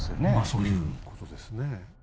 そういうことですね。